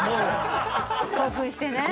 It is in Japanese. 興奮してね。